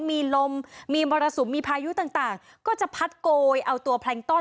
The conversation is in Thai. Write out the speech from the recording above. มีลมมีมรสุมมีพายุต่างก็จะพัดโกยเอาตัวแพลงต้อน